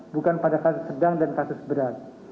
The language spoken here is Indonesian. bukan pada kasus sedang dan kasus berat